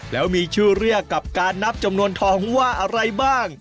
แล้วมีชื่อเรียกกับการนับจำนวนทองว่าอะไรบ้าง